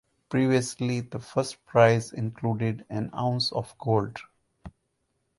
Previously, the first prize included an ounce of gold.